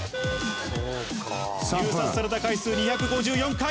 入札された回数２５４回。